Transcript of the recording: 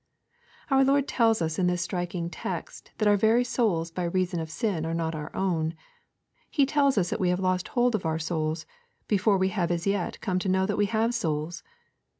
Our Lord tells us in this striking text that our very souls by reason of sin are not our own. He tells us that we have lost hold of our souls before we have as yet come to know that we have souls.